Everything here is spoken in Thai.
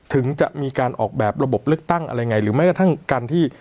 ถึงจะมีการออกแบบระบบเลือกตั้งอะไรไงหรือแม้กระทั่งการที่